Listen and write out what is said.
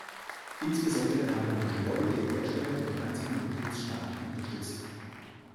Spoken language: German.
Insbesondere habe man die Lobby der Hersteller in den einzelnen Mitgliedstaaten unterstützt.